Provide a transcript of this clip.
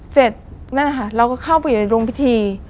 เสร็จเราก็เข้าไปโรงพิธี